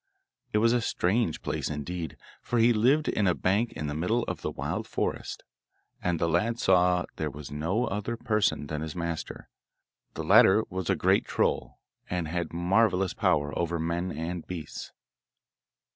It was a strange place indeed, for he lived in a bank in the middle of the wild forest, and the lad saw there no other person than his master. The latter was a great troll, and had marvellous power over both men and beasts.